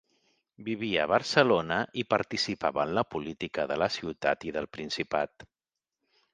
Vivia a Barcelona i participava en la política de la ciutat i del Principat.